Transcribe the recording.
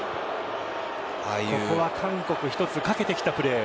ここは韓国一つかけてきたプレー。